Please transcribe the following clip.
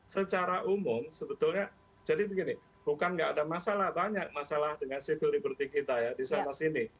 secara umum sebetulnya jadi begini bukan nggak ada masalah banyak masalah dengan civil liberty kita ya di sana sini